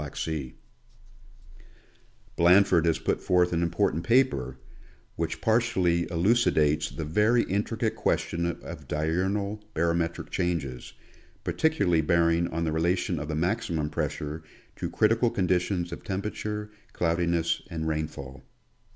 Black Sea, Blanf ord has put forth an important papei% which partially elu cidates the very intricate question of diurnal barometric changes, particularly bearing on the relation of the maximum pressure to critical conditions of temperature, cloudiness and rainfall.